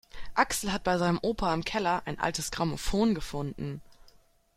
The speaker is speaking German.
Axel hat bei seinem Opa im Keller ein altes Grammophon gefunden.